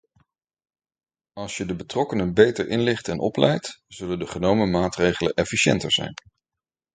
Als je de betrokkenen beter inlicht en opleidt zullen de genomen maatregelen efficiënter zijn.